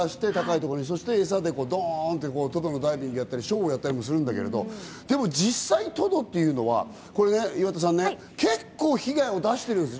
トドをあがらせて、エサでドンとトドのダイビングをやったり、ショーをやったりするんだけれども、実際トドは岩田さん、結構被害を出しているんですよね。